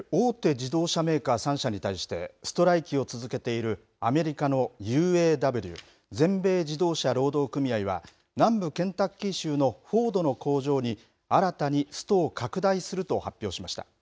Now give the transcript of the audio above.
自動車メーカー３社に対してストライキを続けているアメリカのＵＡＷ、全米自動車労働組合は南部ケンタッキー州のフォードの工場に新たにストを拡大すると発表しました。